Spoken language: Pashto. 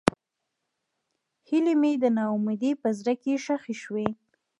هیلې مې د نا امیدۍ په زړه کې ښخې شوې.